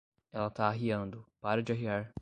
Ela tá arriando, para de arriar!